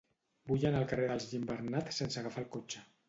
Vull anar al carrer dels Gimbernat sense agafar el cotxe.